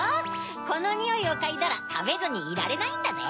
このにおいをかいだらたべずにいられないんだぜ。